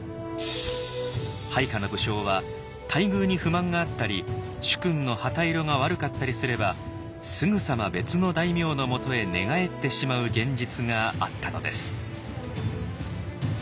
配下の武将は待遇に不満があったり主君の旗色が悪かったりすればすぐさま別の大名のもとへ寝返ってしまう現実があったのです。